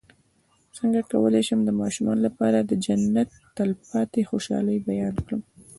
څنګه کولی شم د ماشومانو لپاره د جنت د تل پاتې خوشحالۍ بیان کړم